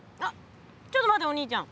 ちょっと待ってお兄ちゃん。